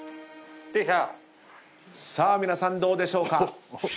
さあ皆さんどうでしょうか？